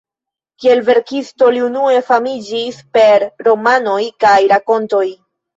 Kiel verkisto li unue famiĝis per romanoj kaj rakontoj.